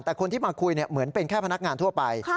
แต่คนที่มาคุยเหมือนเป็นแค่พนักงานทั่วไป